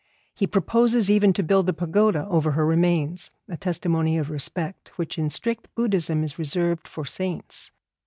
He proposes even to build a pagoda over her remains, a testimony of respect which in strict Buddhism is reserved to saints.